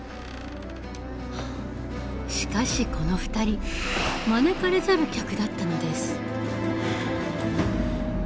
しかしこの２人招かれざる客だったのです。